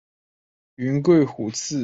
云桂虎刺为茜草科虎刺属下的一个种。